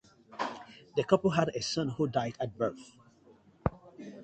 The couple had a son who died at birth.